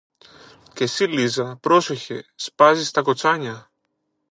Και συ, Λίζα, πρόσεχε, σπάζεις τα κοτσάνια